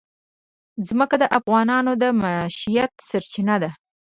ځمکه د افغانانو د معیشت سرچینه ده.